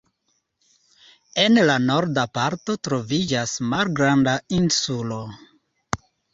En la norda parto troviĝas malgranda insulo.